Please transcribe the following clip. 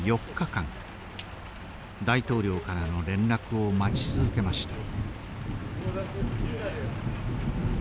大統領からの連絡を待ち続けました。